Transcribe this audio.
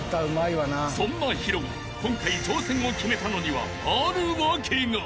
［そんなＨｉｒｏが今回挑戦を決めたのにはある訳が］